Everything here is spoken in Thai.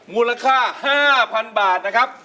มูลค่า๕๐๐๐บาทนะครับ